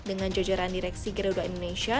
dengan jajaran direksi garuda indonesia